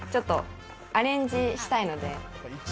アレンジしたいので。